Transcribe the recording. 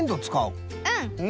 うん！